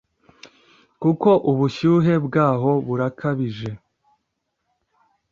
kuko ubushyuhe bwaho burakabije